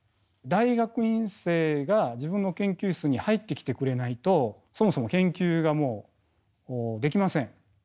大学院生が自分の研究室に入ってきてくれないとそもそも研究ができません。